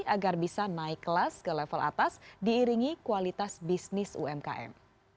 agar bisa naik kelas ke level atas diiringi kualitas bisnis umkm